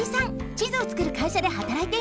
地図をつくる会社ではたらいています。